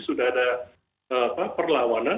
sudah ada perlawanan